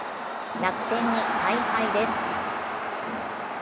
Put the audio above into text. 楽天に大敗です。